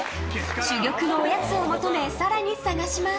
珠玉のおやつを求め更に探します。